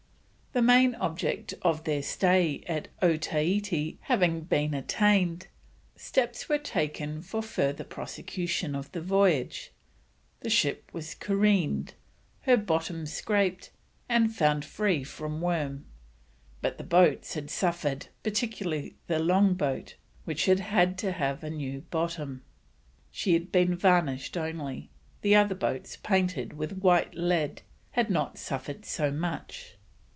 The main object of their stay at Otaheite having been attained, steps were taken for further prosecution of the voyage; the ship was careened, her bottom scraped and found free from worm, but the boats had suffered, particularly the long boat, which had to have a new bottom. She had been varnished only; the other boats, painted with white lead, had not suffered so much.